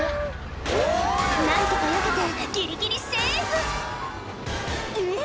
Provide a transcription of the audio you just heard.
何とかよけてギリギリセーフえっ？